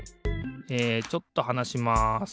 えちょっとはなします。